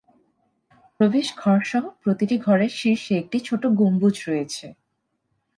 প্রবেশ ঘর সহ প্রতিটি ঘরের শীর্ষে একটি ছোট গম্বুজ রয়েছে।